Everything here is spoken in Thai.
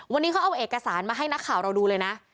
วันนี้เขาเอาเอกสารมาให้นักข่าวเราดูเลยนะ